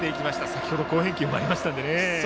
先ほど好返球がありましたからね。